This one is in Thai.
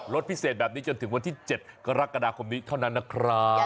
พิเศษแบบนี้จนถึงวันที่๗กรกฎาคมนี้เท่านั้นนะครับ